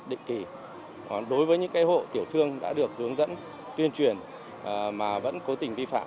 định kỳ đối với những hộ tiểu thương đã được hướng dẫn tuyên truyền mà vẫn cố tình vi phạm